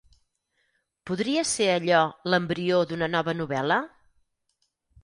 ¿Podria ser allò l'embrió d'una nova novel·la?